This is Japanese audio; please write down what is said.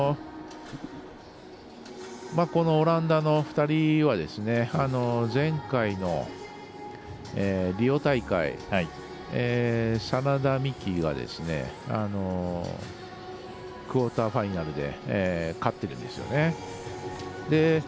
このオランダの２人は前回のリオ大会眞田、三木がクオーターファイナルで勝ってるんですよね。